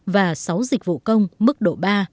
và sáu dịch vụ công mức độ ba